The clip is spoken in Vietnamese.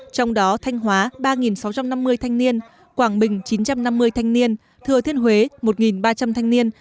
trong đó thanh hóa ba sáu trăm năm mươi thanh niên quảng bình chín trăm năm mươi thanh niên thừa thiên huế một ba trăm linh thanh niên